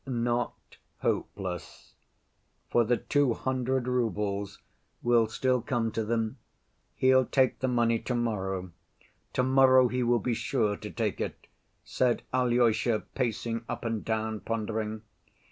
"Not hopeless, for the two hundred roubles will still come to them. He'll take the money to‐morrow. To‐morrow he will be sure to take it," said Alyosha, pacing up and down, pondering.